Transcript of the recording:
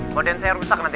badan saya rusak nanti